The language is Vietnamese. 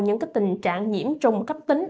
những tình trạng nhiễm trùng cấp tính